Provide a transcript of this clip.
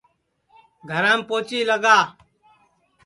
گھرام پوچی لگا